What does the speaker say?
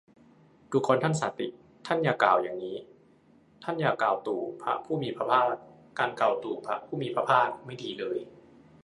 ดูกรท่านสาติ ท่านอย่ากล่าวอย่างนี้ ท่านอย่ากล่าวตู่พระผู้มีพระภาค การกล่าวตู่พระผู้มีพระภาค ไม่ดีเลย